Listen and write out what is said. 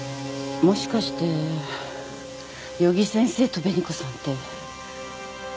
もしかして余木先生と紅子さんって。